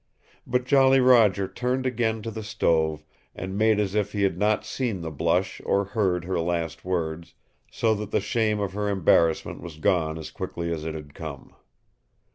But Jolly Roger turned again to the stove, and made as if he had not seen the blush or heard her last words, so that the shame of her embarrassment was gone as quickly as it had come.